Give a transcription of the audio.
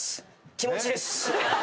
気持ちです。